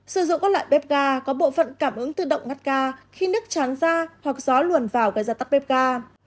sử dụng các loại bếp ga có bộ phận cảm ứng tự động ngắt ga khi nước chán ra hoặc gió luồn vào gây ra tắt bếp ga